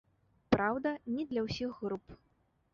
Праўда, не для ўсіх груп.